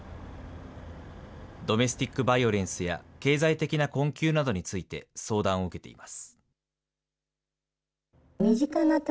ドメスティックバイオレンスや、経済的な困窮などについて相談を受けています。